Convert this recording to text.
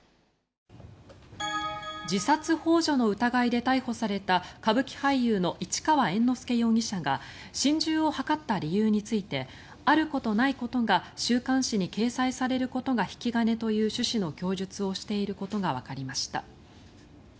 自殺ほう助の疑いで逮捕された歌舞伎俳優の市川猿之助容疑者が心中を図った理由についてあることないことが週刊誌に掲載されることが引き金という趣旨の供述をしていることがわかりました。